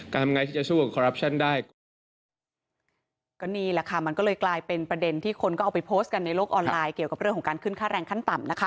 ก็ทำอย่างไรที่จะสู้กับคอรัปชั่นได้